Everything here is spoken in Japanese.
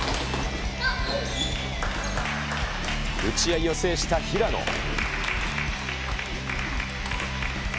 打ち合いを制した平野。